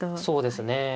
そうですね。